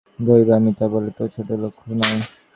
গরিব আমি, তা বলে তো ছোটোলোক নই।